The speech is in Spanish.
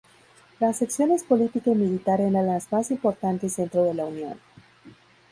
Las secciones política y militar eran las más importantes dentro de la Unión.